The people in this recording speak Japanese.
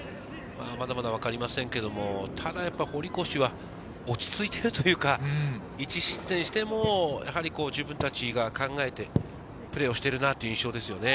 まだ分かりませんけれど、ただ堀越は、落ち着いているというか１失点しても自分たちが考えてプレーをしている印象ですね。